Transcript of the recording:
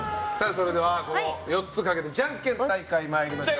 それでは、この４つをかけてじゃんけん大会参りましょう。